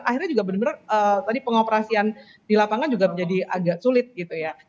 akhirnya juga benar benar tadi pengoperasian di lapangan juga menjadi agak sulit gitu ya